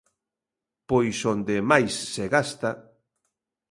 Pois onde máis se gasta.